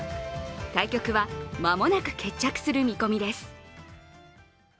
対局は間もなく決着する見込みです。